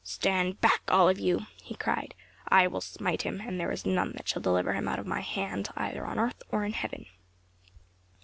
"Stand back, all of you," he cried. "I will smite him; and there is none that shall deliver him out of my hand, either on earth or in heaven."